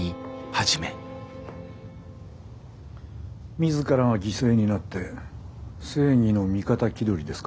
自らが犠牲になって正義の味方気取りですか？